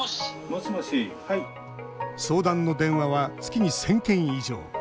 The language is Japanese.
相談の電話は月に１０００件以上。